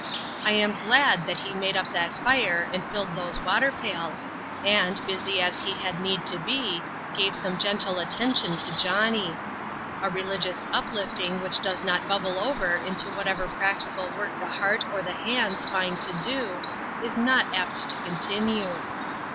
I am glad that he made up that fire, and filled those water pails, and, busy as he had need to be, gave some gentle attention to Johnnie. A relig ious uplifting which does not bubble over into whatever practical work the heart or the hands find to do, is not apt to continue.